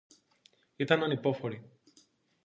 Ήταν ανυπόφορη